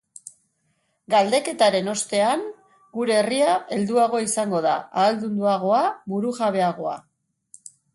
Galdeketaren ostean, gure herria helduagoa izango da, ahaldunduagoa, burujabeagoa.